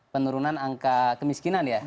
penurunan angka kemiskinan ya